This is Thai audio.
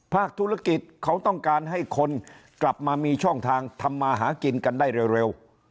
ภาคธุรกิจเขาต้องการให้คนกลับมามีช่องทางทำมาหากินกันได้เร็ว